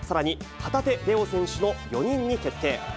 旗手怜央選手の４人に決定。